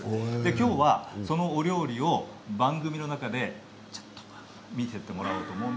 今日はそのお料理を番組の中でちょっと見せてもらおうと思います。